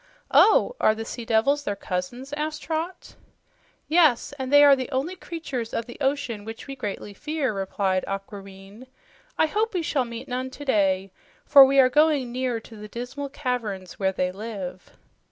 "Oh. Are the sea devils their cousins?" asked Trot. "Yes, and they are the only creatures of the ocean which we greatly fear," replied Aquareine. "I hope we shall meet none today, for we are going near to the dismal caverns where they live."